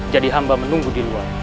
jadi hamba menunggu di luar